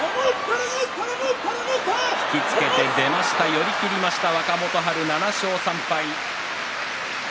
寄り切りました若元春、７勝３敗。